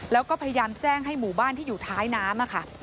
แล้วก็พยายามแจ้งให้หมู่บ้านที่อยู่ท้ายน้ำค่ะ